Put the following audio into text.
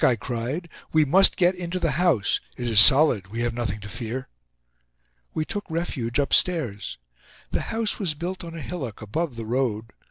I cried. "We must get into the house. It is solid—we have nothing to fear." We took refuge upstairs. The house was built on a hillock above the road.